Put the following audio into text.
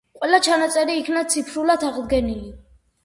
ყველა ჩანაწერი იქნა ციფრულად აღდგენილი.